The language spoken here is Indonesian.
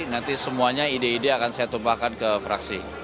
nanti semuanya ide ide akan saya tumpahkan ke fraksi